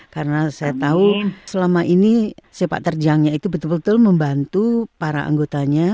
karena saya tahu selama ini sepak terjangnya itu betul betul membantu para anggotanya